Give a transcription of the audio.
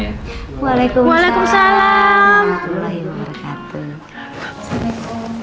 assalamualaikum warahmatullahi wabarakatuh